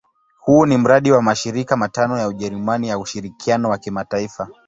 Huu ni mradi wa mashirika matano ya Ujerumani ya ushirikiano wa kimataifa.